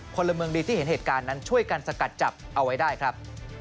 พลเมืองดีที่เห็นเหตุการณ์นั้นช่วยกันสกัดจับเอาไว้ได้ครับ